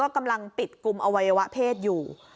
กำลังปิดกลุ่มอวัยวะเพศอยู่